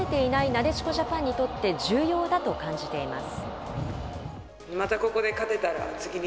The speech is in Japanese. なでしこジャパンにとって重要だと感じています。